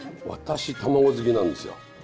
私卵好きなんですよ。